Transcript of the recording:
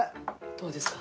どうですか？